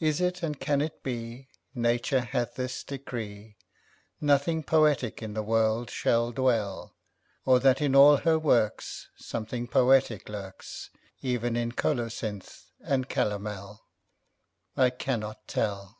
Is it, and can it be, Nature hath this decree, Nothing poetic in the world shall dwell? Or that in all her works Something poetic lurks, Even in colocynth and calomel? I cannot tell.